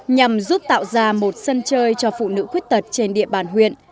nhằm giúp tạo ra một sân chơi cho phụ nữ khuyết tật trên địa bàn huyện